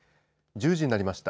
１０時になりました。